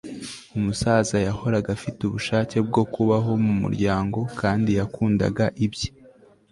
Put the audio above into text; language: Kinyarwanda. umusaza yahoraga afite ubushake bwo kubaho mumuryango, kandi yakundaga ibye